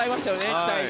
期待に。